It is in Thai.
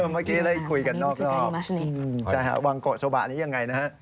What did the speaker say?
เมื่อกี้ได้คุยกันเนอะ